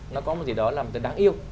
nó có một gì đó làm cho đáng yêu